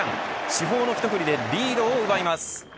主砲の一振りでリードを奪います。